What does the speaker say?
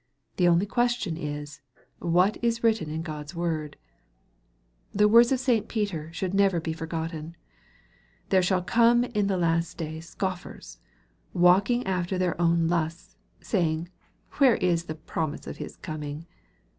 The only question is, " what is written in God's word ?" The words of St. Peter should never be forgotten :" There shall come in the last days scoffers, walking after their own lusts, saying, Where is the promise of His corning